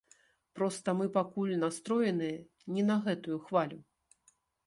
Проста мы пакуль настроеныя не на гэтую хвалю.